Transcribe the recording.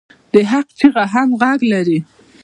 د حق چیغه هم غږ لري